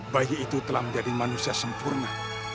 bayi itu telah menjadi manusia sempurna